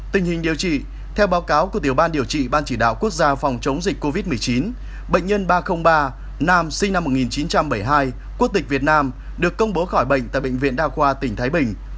tình hình điều trị theo báo cáo của tiểu ban điều trị ban chỉ đạo quốc gia phòng chống dịch covid một mươi chín bệnh nhân ba trăm linh ba nam sinh năm một nghìn chín trăm bảy mươi hai quốc tịch việt nam được công bố khỏi bệnh tại bệnh viện đa khoa tỉnh thái bình